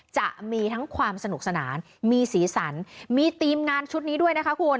จะมีทั้งความสนุกสนานมีสีสันมีทีมงานชุดนี้ด้วยนะคะคุณ